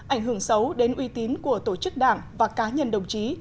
ảnh hưởng xấu đến uy tín của tổ chức đảng và cá nhân đồng chí